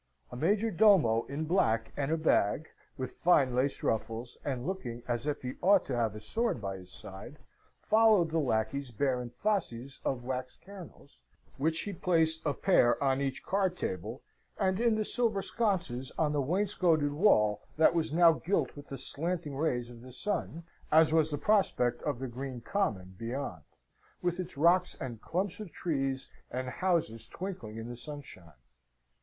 A major domo in black and a bag, with fine laced ruffles; and looking as if he ought to have a sword by his side, followed the lacqueys bearing fasces of wax candles, which he placed a pair on each card table, and in the silver sconces on the wainscoted wall that was now gilt with the slanting rays of the sun, as was the prospect of the green common beyond, with its rocks and clumps of trees and houses twinkling in the sunshine.